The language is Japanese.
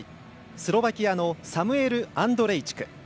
スロバキアのサムエル・アンドレイチク。